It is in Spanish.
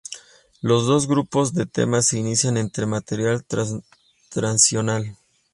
Los dos grupos de temas se inician entre material transicional.